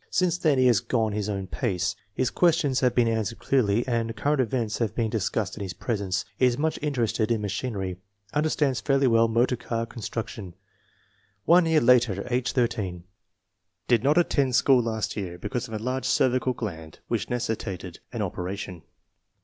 Since then he has gone his own pace. His questions have been answered clearly, and current events have been discussed in his presence. Is much interested in machinery. Understands fairly well motor car con struction. One year later, age 18. Did not attend school last year because of an enlarged cervical gland which necessitated an operation.